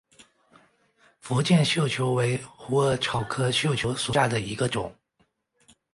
福建绣球为虎耳草科绣球属下的一个种。